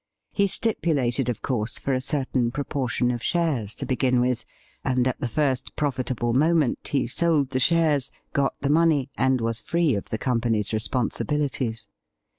He stipulated, of course, for a certain proportion ef shares to begin with, and at the first profitable moment he sold the shares, got the money, and was free of the company's re sponsibilities.